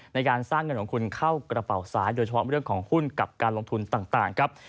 ในการสร้างเงินของคุณเข้ากระเป๋าซ้ายโดยเฉพาะเรื่องของหุ้นกับการลงทุนต่างครับ